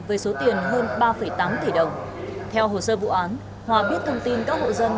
với số tiền hơn ba tám tỷ đồng theo hồ sơ vụ án hòa biết thông tin các hộ dân